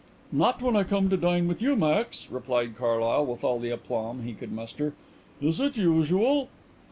"Not when I come to dine with you, Max," replied Carlyle, with all the aplomb he could muster. "Is it usual?"